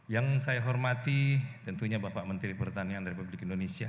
yang saya hormati tentunya bapak menteri pertanian republik indonesia